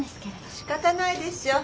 しかたないでしょう。